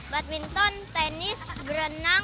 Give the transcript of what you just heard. badminton tenis berenang